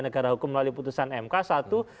negara hukum melalui putusan mk satu